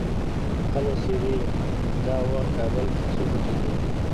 هلو سیري! دا وخت کابل کې څو بجې دي؟